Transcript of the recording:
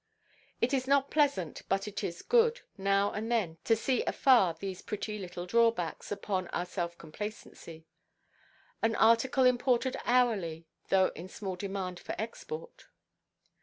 It is not pleasant, but is good, now and then to see afar these pretty little drawbacks upon our self–complacency—an article imported hourly, though in small demand for export.